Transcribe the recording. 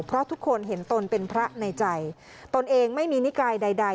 เพราะทุกคนเห็นตนเป็นพระในใจตนเองไม่มีนิกายใด